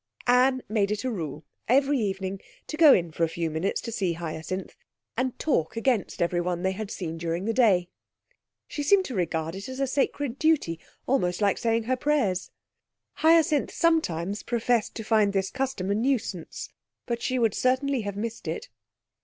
Anne made it a rule every evening to go in for a few minutes to see Hyacinth and talk against everyone they had seen during the day. She seemed to regard it as a sacred duty, almost like saying her prayers. Hyacinth sometimes professed to find this custom a nuisance, but she would certainly have missed it.